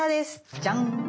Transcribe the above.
じゃん。